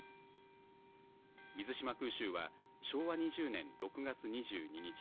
水島空襲は昭和２０年６月２２日